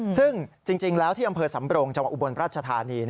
ซึ่งจริงแล้วที่อำเภอสำรงจังหวัดอุบลราชธานี